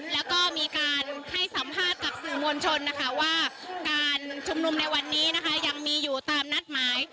แล้วก็มีการให้สัมภาษณ์กับสื่อมวลชนนะคะว่าการชุมนุมในวันนี้นะคะยังมีอยู่ตามนัดหมาย